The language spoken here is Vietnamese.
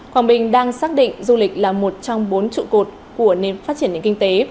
quảng bình đang xác định du lịch là một trong bốn trụ cột của nền phát triển nền kinh tế